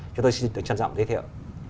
chúng tôi xin tưởng trân rộng giới thiệu